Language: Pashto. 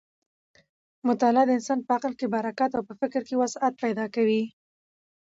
مطالعه د انسان په عقل کې برکت او په فکر کې وسعت پیدا کوي.